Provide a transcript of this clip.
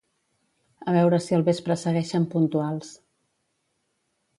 A veure si al vespre segueixen puntuals